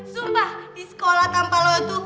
sumpah di sekolah tanpa lo itu